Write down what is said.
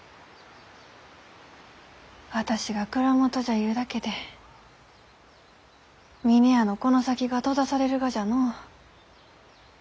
私が蔵元じゃゆうだけで峰屋のこの先が閉ざされるがじゃのう。